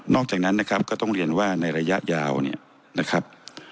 จากนั้นนะครับก็ต้องเรียนว่าในระยะยาวเนี่ยนะครับ